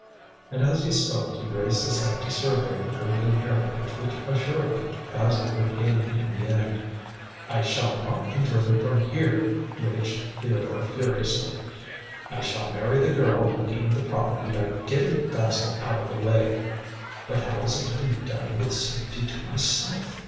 And as he spoke he raised his head to survey the goodly heritage which assuredly Basil would gain in the end. "I shall not be driven from here," raged Theodore furiously. "I shall marry the girl and gain the property by getting Basil out of the way. But how is it to be done with safety to myself?